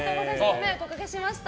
ご迷惑おかけしました！